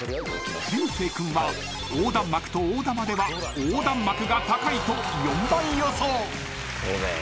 ［流星君は横断幕と大玉では横断幕が高いと４番予想］